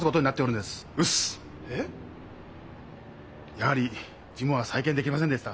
やはりジムは再建できませんでした。